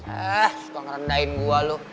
ah suka ngerendahin gue loh